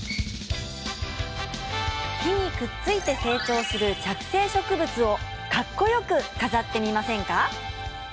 木にくっついて成長する着生植物をかっこよく飾ってみませんか？